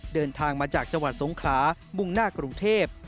เดินทางมาจากจังหวัดสงขลามุ่งหน้ากรุงเทพ